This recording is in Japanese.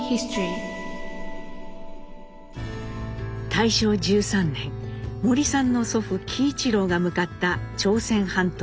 大正１３年森さんの祖父喜一郎が向かった朝鮮半島清津。